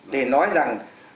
để nói rằng